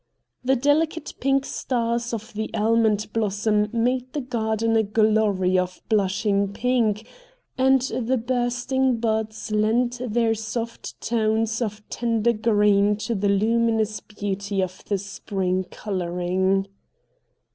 The delicate pink stars of the almond blossom made the garden a glory of blushing pink, and the bursting buds lent their soft tones of tender green to the luminous beauty of the Spring colouring.